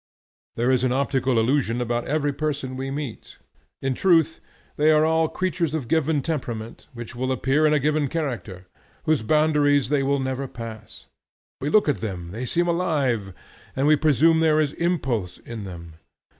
There is an optical illusion about every person we meet. In truth they are all creatures of given temperament, which will appear in a given character, whose boundaries they will never pass: but we look at them, they seem alive, and we presume there is impulse in them.